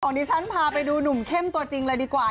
ดิฉันพาไปดูหนุ่มเข้มตัวจริงเลยดีกว่า